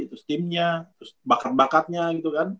terus timnya terus bakar bakatnya gitu kan